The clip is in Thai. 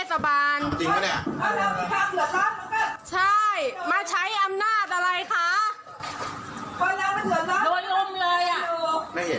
เษย์ก็ได้เนี่ย